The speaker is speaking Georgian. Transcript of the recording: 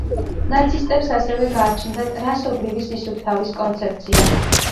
ნაცისტებს ასევე გააჩნდათ „რასობრივი სისუფთავის“ კონცეფცია.